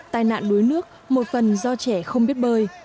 tai nạn đuối nước một phần do trẻ không biết bơi